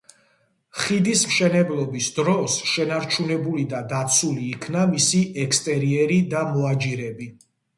ხიდის მშენებლობის დროს, შენარჩუნებული და დაცული იქნა მისი ექსტერიერი და მოაჯირები.